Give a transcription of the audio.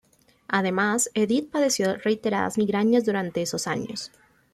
Además, Edith padeció reiteradas migrañas durante esos años.